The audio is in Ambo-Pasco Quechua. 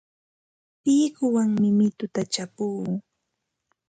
Pikuwanmi mituta chapuu.